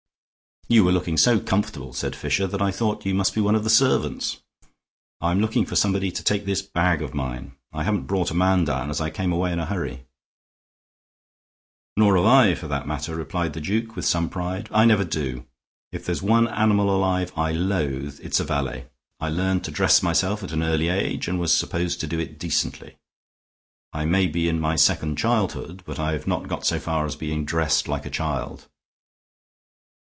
"You were looking so comfortable," said Fisher, "that I thought you must be one of the servants. I'm looking for somebody to take this bag of mine; I haven't brought a man down, as I came away in a hurry." "Nor have I, for that matter," replied the duke, with some pride. "I never do. If there's one animal alive I loathe it's a valet. I learned to dress myself at an early age and was supposed to do it decently. I may be in my second childhood, but I've not go so far as being dressed like a child."